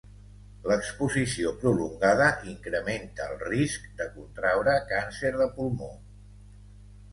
L'exposició prolongada incrementa el risc de contraure càncer de pulmó.